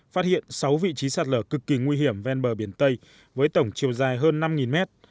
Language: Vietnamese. phát hiện sáu vị trí sạt lở cực kỳ nguy hiểm ven bờ biển tây với tổng chiều dài hơn năm mét